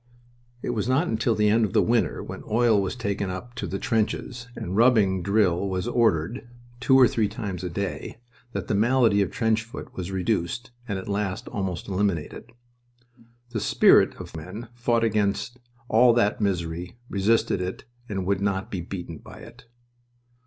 It was not until the end of the winter, when oil was taken up to the trenches and rubbing drill was ordered, two or three times a day, that the malady of trench foot was reduced, and at last almost eliminated. The spirit of the men fought against all that misery, resisted it, and would not be beaten by it.